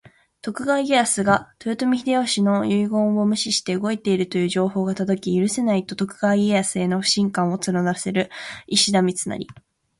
徳川家康が豊臣秀吉の遺言を無視して動いているという情報が届き、「許せない！」と徳川家康への不信感を募らせる石田三成。